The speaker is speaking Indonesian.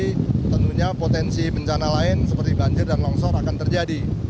jadi tentunya potensi bencana lain seperti banjir dan longsor akan terjadi